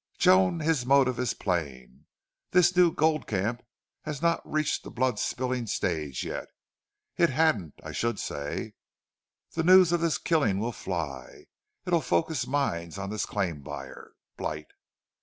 "Joan, his motive is plain. This new gold camp has not reached the blood spilling stage yet. It hadn't, I should say. The news of this killing will fly. It'll focus minds on this claim buyer, Blight.